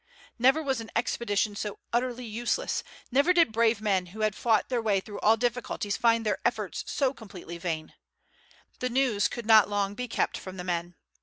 Never was an expedition so utterly useless, never did brave men who had fought their way through all difficulties find their efforts so completely vain! The news could not long be kept from the men.